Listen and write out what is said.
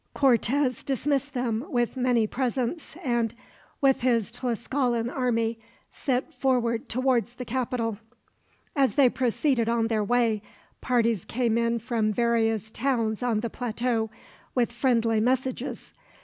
Cortez dismissed them with many presents and, with his Tlascalan army, set forward towards the capital. As they proceeded on their way, parties came in from various towns on the plateau with friendly messages.